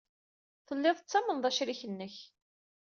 Tellid tettamned acrik-nnek.